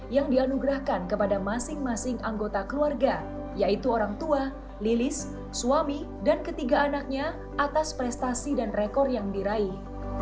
yang dianugerahkan kepada masing masing anggota keluarga yaitu orang tua lilis suami dan ketiga anaknya atas prestasi dan rekor yang diraih